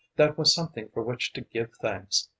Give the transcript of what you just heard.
that was something for which to give thanks.